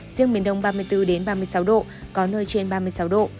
riêng miền đông ba mươi bốn ba mươi sáu độ có nơi trên ba mươi sáu độ